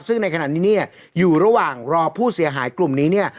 ซึ่งในขณะนี้เนี่ยอยู่ระหว่างรอผู้เสียหายกลุ่มนี้เนี่ย